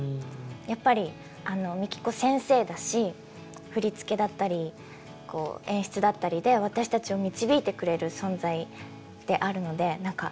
やっぱりあのＭＩＫＩＫＯ先生だし振り付けだったりこう演出だったりで私たちを導いてくれる存在であるので何か